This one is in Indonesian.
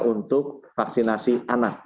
untuk vaksinasi anak